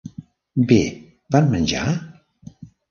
Bé, van menjar?